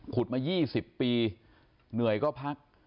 มา๒๐ปีเหนื่อยก็พัก